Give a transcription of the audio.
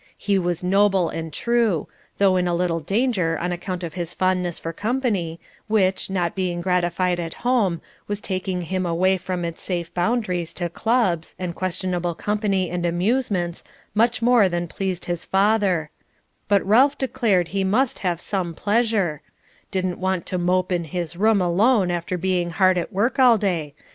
He was noble and true, though in a little danger on account of his fondness for company, which, not being gratified at home, was taking him away from its safe boundaries to clubs, and questionable company and amusements, much more than pleased his father; but Ralph declared he must have some pleasure "didn't want to mope in his room alone after being hard at work all day.